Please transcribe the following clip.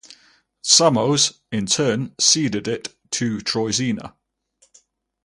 Samos, in turn, ceded it to Troizina.